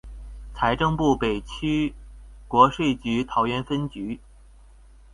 財政部北區國稅局桃園分局